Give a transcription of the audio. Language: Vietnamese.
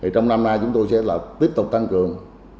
trong năm nay chúng tôi sẽ tiếp tục tăng cường